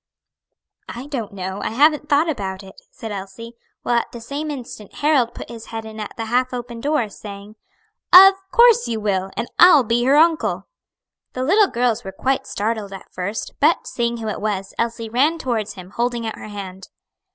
"I don't know; I haven't thought about it," said Elsie; while at the same instant Harold put his head in at the half open door, saying, "Of course you will; and I'll be her uncle." The little girls were quite startled at first, but seeing who it was, Elsie ran towards him, holding out her hand.